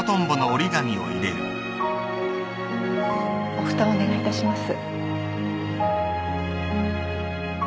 おふたをお願いいたします。